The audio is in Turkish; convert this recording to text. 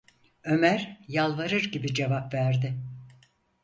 Ömer, yalvarır gibi cevap verdi: